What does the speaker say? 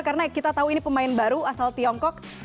karena kita tahu ini pemain baru asal tiongkok